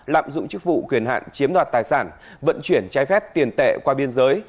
lạm dụng chức vụ quyền hạn chiếm đoạt tài sản vận chuyển trái phép tiền tệ qua biên giới